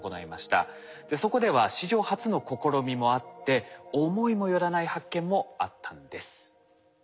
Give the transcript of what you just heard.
そこでは史上初の試みもあって思いも寄らない発見もあったんです。